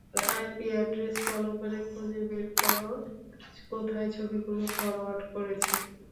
IP address follow করে খুঁজে বের করো কোথায় ছবিগুলো ফরোয়ার্ড করেছে।